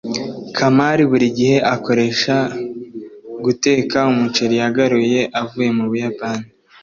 kamali buri gihe akoresha guteka umuceri yagaruye avuye mu buyapani